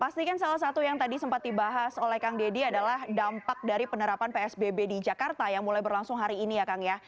pastikan salah satu yang tadi sempat dibahas oleh kang deddy adalah dampak dari penerapan psbb di jakarta yang mulai berlangsung hari ini ya kang ya